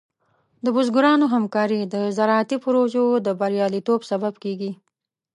د بزګرانو همکاري د زراعتي پروژو د بریالیتوب سبب کېږي.